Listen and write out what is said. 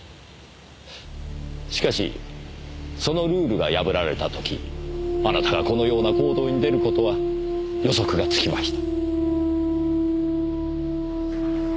しかしそのルールが破られた時あなたがこのような行動に出る事は予測がつきました。